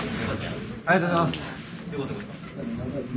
ありがとうございます！